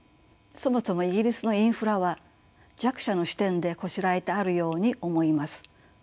そもそもイギリスのインフラは弱者の視点でこしらえてあるように思います。